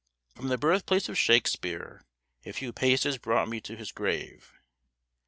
From the birthplace of Shakespeare a few paces brought me to his grave.